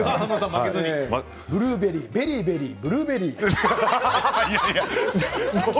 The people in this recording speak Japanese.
ブルーベリーベリーベリーブルーベリー。